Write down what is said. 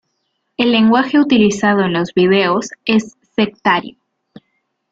El lenguaje utilizado en los videos es sectario.